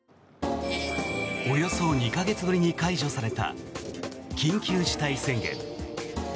およそ２か月ぶりに解除された緊急事態宣言。